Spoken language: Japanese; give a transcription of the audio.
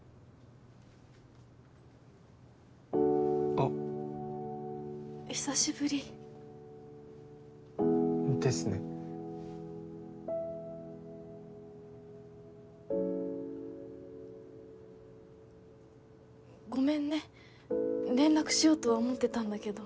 あ久しぶりですねごめんね連絡しようとは思ってたんだけど